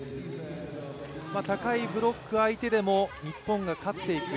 高いブロック相手でも日本が勝っていく。